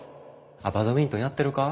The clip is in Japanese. バドミントンやってるか？